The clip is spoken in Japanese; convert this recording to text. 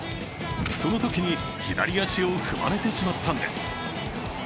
そのときに左足を踏まれてしまったんです。